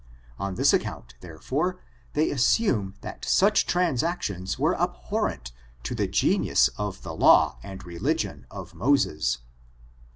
On this account, therefore, they assume that such transactions were abhorrent to Uie genius of the law and religion of Moses.